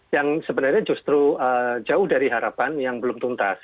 yang sebenarnya justru jauh dari harapan yang belum tuntas